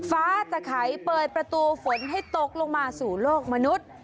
ฟ้าจะไขเปิดประตูฝนให้ตกลงมาสู่โลกมนุษย์